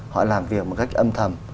họ làm việc một cách âm thầm